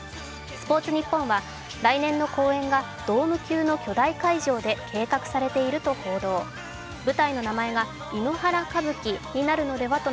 「スポーツニッポン」は、来年の公演がドーム級の巨大会場で開催されることが計画されていると。